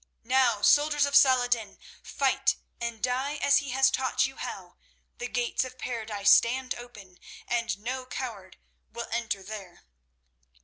Now, soldiers of Salah ed din, fight and die as he has taught you how. The gates of Paradise stand open, and no coward will enter there."